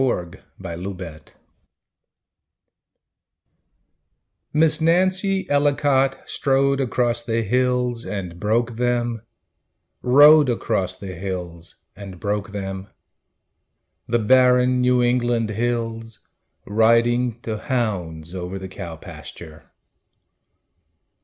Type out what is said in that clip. Cousin Nancy Miss Nancy Ellicot Strode across the hills and broke them Rode across the hills and broke them The barren New England hills Riding to hounds Over the cow pasture.